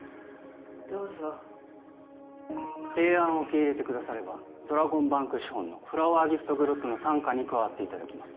どうぞ提案を受け入れてくださればドラゴンバンク資本のフラワーギフトグループの傘下に加わっていただきます